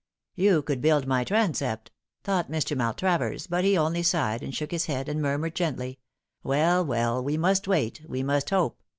" You could build my transept," thought Mr. Maltravers, but he only sighed, and shook his head, and murmured gently, " Well, well, we must wait ; we must hope.